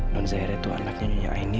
nur zairah itu anaknya nyonya aini